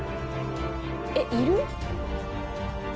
「えっいる？」